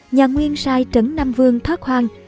nhà nguyên sai trấn nam vương thoát hoang